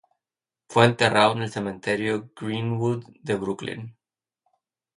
Fue enterrado en el Cementerio Green-Wood de Brooklyn.